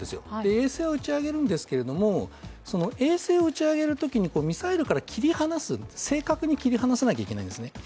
衛星は打ち上げるんですが、そのときにミサイルから切り離す、正確に切り離さなきゃいけないんですね。